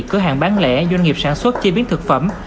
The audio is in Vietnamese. cửa hàng bán lẻ doanh nghiệp sản xuất chế biến thực phẩm